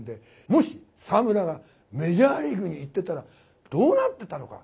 もし沢村がメジャーリーグに行ってたらどうなってたのか。